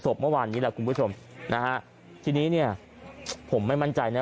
เมื่อวานนี้แหละคุณผู้ชมนะฮะทีนี้เนี่ยผมไม่มั่นใจนะ